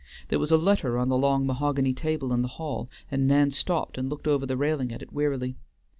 There was a letter on the long mahogany table in the hall, and Nan stopped and looked over the railing at it wearily.